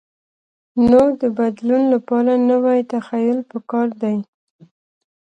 نو د بدلون لپاره نوی تخیل پکار دی.